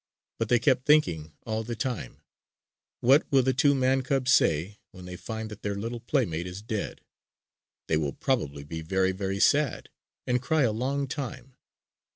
But they kept thinking all the time: "What will the two man cubs say when they find that their little playmate is dead? They will probably be very, very sad and cry a long time!"